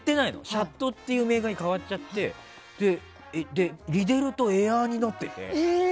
シャッドっていうメーカーに変わっちゃっててで、リデルとエアーになってて。